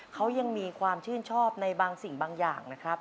เขายังมีความชื่นชอบในบางสิ่งบางอย่างนะครับ